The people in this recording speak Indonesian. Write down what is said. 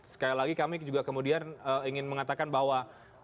sekali lagi kami juga kemudian ingin mengatakan bahwa